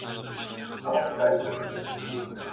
د ماشوم کالي باید پاک وي.